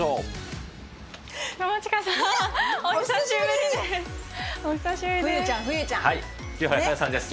お久しぶりです。